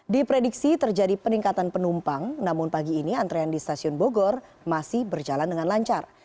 diprediksi terjadi peningkatan penumpang namun pagi ini antrean di stasiun bogor masih berjalan dengan lancar